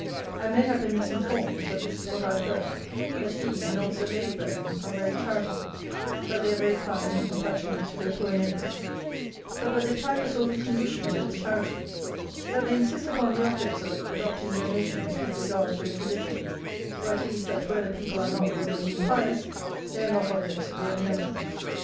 I may have been misinformed; but this is what I have heard, that he, and also Lady Baring, are very charitable; that they are very kind and compassionate to their poor neighbours; but that they tack a sort of condition to this charity; that they insist upon the objects of it adopting their notions with regard to religion; or, at least, that where the people are not what they deem pious, they are not objects of their benevolence.